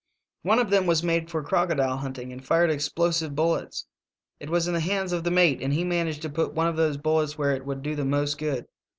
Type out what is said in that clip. One of them was made for crocodile hunting and fired explosive bullets. It was in the hands of the mate, and he managed to put one of thovse bullets where it would do the most good.